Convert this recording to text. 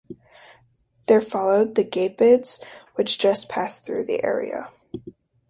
There followed the Gepids, which just passed through the area.